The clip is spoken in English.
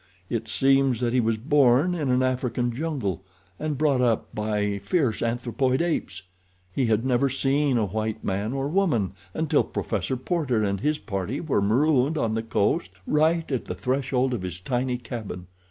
It seems that he was born in an African jungle, and brought up by fierce, anthropoid apes. He had never seen a white man or woman until Professor Porter and his party were marooned on the coast right at the threshold of his tiny cabin.